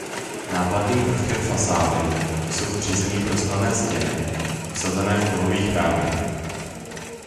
Nápadným prvkem fasády jsou v přízemí prosklené stěny usazené v kovových rámech.